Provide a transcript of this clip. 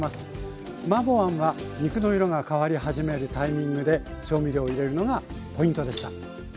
マーボーあんは肉の色が変わり始めるタイミングで調味料を入れるのがポイントでした。